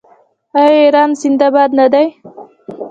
آیا ایران زنده باد نه دی؟